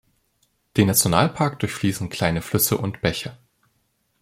Den Nationalpark durchfließen kleine Flüsse und Bäche.